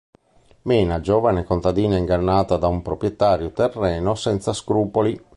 Mena, giovane contadina ingannata da un proprietario terriero senza scrupoli.